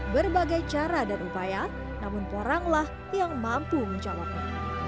berbagai cara dan upaya namun poranglah yang mampu menjawabnya